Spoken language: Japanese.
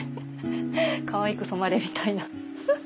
かわいく染まれみたいな。